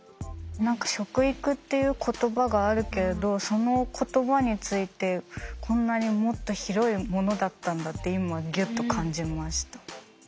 何か食育っていう言葉があるけれどその言葉についてこんなにもっと広いものだったんだって今ギュッと感じました。